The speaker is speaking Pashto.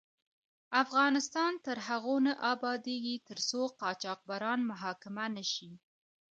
افغانستان تر هغو نه ابادیږي، ترڅو قاچاقبران محاکمه نشي.